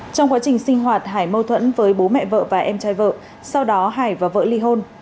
trong quá trình sinh hoạt hải mâu thuẫn với bố mẹ vợ và em trai vợ sau đó hải và vỡ ly hôn